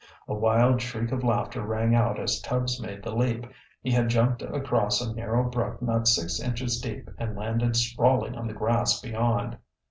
A wild shriek of laughter rang out as Tubbs made the leap. He had jumped across a narrow brook not six inches deep and landed sprawling on the grass beyond.